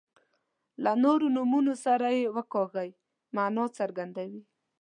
له نورو نومونو سره چې وکاریږي معنا څرګندوي.